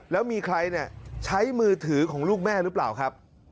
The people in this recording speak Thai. แล้วมีใครใช้มือถือของลูกแม่รึเปล่า